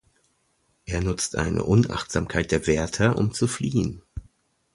Er nutzt eine Unachtsamkeit der Wärter, um zu fliehen.